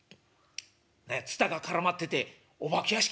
何やツタが絡まっててお化け屋敷みたい。